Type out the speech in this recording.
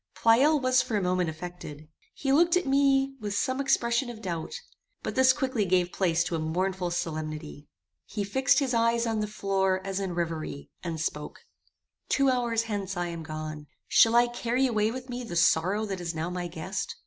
Pleyel was for a moment affected. He looked at me with some expression of doubt; but this quickly gave place to a mournful solemnity. He fixed his eyes on the floor as in reverie, and spoke: "Two hours hence I am gone. Shall I carry away with me the sorrow that is now my guest?